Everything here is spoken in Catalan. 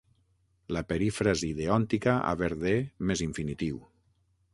La perífrasi deòntica 'haver de' més infinitiu.